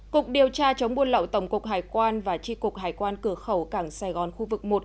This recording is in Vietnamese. cục điều tra chống buôn lậu tổng cục hải quan và tri cục hải quan cửa khẩu cảng sài gòn khu vực một